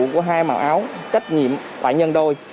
của hai màu áo trách nhiệm phải nhân đôi